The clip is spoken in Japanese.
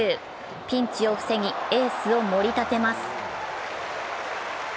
ピンチを防ぎ、エースを盛り立てます。